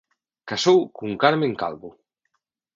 Casou con Carmen Calvo.